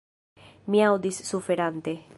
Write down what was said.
Mi aŭdis, suferante.